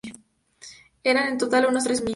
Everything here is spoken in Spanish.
Eran, en total, unos tres mil.